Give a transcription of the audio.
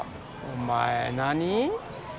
お前何？